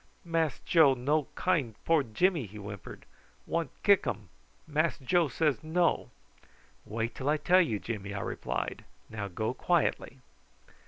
"Mass Joe no kind poor Jimmy," he whimpered. "Want kick um. Mass Joe say no." "Wait till I tell you, Jimmy," I replied. "Now go quietly."